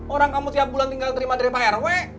orang kamu tiap bulan tinggal terima dari prw